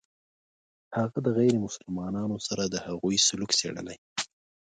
هغه د غیر مسلمانانو سره د هغوی سلوک څېړلی.